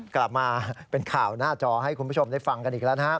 กลับมาเป็นข่าวหน้าจอให้คุณผู้ชมได้ฟังกันอีกแล้วนะครับ